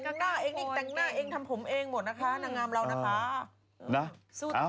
แต่งหน้าเองทำผมเองหมดนะคะหน้างามเรานะคะ